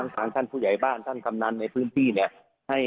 ทางท่านผู้ใหญ่บ้านท่างคำน้ำในพื้นที่